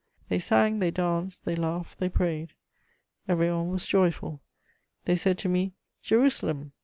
They sang, they danced, they laughed, they prayed. Every one was joyful. They said to me, 'Jerusalem!'